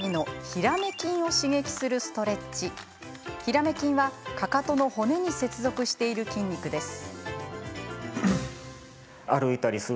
ヒラメ筋は、かかとの骨に接続している筋肉です。